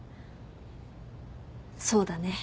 そうだね。